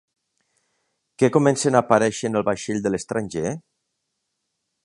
Què comencen a aparèixer en el vaixell de l'estranger?